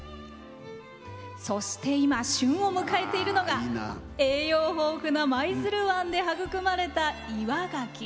そして今、旬を迎えているのが栄養豊富な舞鶴湾で育まれた岩がき。